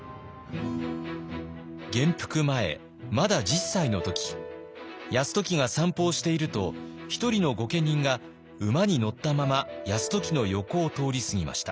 元服前まだ１０歳の時泰時が散歩をしていると一人の御家人が馬に乗ったまま泰時の横を通り過ぎました。